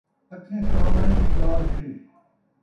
اکّھیں سامھݨے دی ڳالھ ہِے